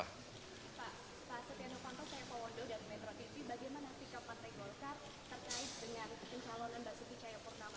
pak pak setiano pantok saya pak wondo dari metro tv